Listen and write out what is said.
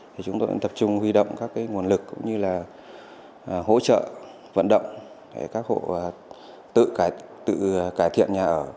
thì chúng tôi cũng tập trung huy động các nguồn lực cũng như là hỗ trợ vận động để các hộ tự cải thiện nhà ở